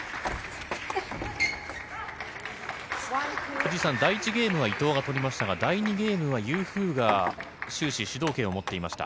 藤井さん、第１ゲームは伊藤が取りましたが第２ゲームはユー・フーが終始、主導権を持っていました。